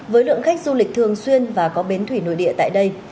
với lượng khách du lịch thường xuyên và có bến thủy nội địa tại đây